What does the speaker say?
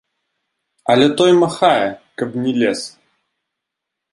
Але той махае, каб не лез.